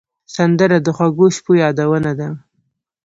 سندره د خوږو شپو یادونه ده